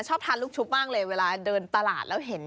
ช่อบทานลูกชุบบ้างเลยเวลาเดินตลาด